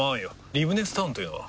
リブネスタウンというのは？